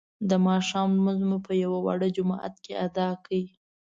د ماښام لمونځ مو په یوه واړه جومات کې ادا کړ.